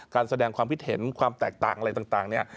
การแสดงความคิดเห็นความแตกต่างอะไรต่างเนี่ย